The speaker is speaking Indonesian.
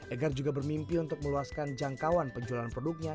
egar juga bermimpi untuk meluaskan jangkauan penjualan produknya